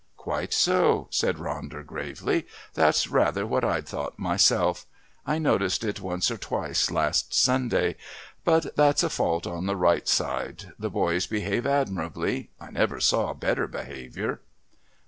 "Quite so," said Ronder gravely. "That's rather what I'd thought myself. I noticed it once or twice last Sunday. But that's a fault on the right side. The boys behave admirably. I never saw better behaviour."